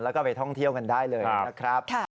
แล้วก็ไปท่องเที่ยวกันได้เลยนะครับ